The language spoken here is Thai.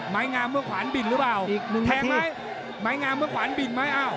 งามเมื่อขวานบิ่งหรือเปล่าแทงไหมไม้งามเมื่อขวานบิ่งไหมอ้าว